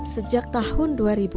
sejak tahun dua ribu